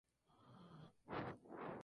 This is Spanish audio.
Otras historias le dan un origen legendario.